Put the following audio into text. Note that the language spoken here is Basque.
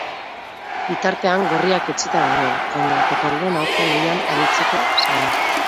Bitartean, gorriak etsita daude, gainerako taldeen aurka lehian aritzeko zain.